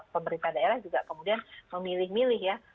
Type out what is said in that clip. pemerintah daerah juga kemudian memilih milih ya